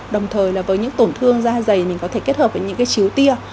đồng thời là với những tổn thương da dày mình có thể kết hợp với những cái chiếu tia